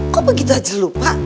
kok begitu aja lupa